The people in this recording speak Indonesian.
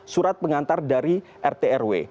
surat pengantar dari rt rw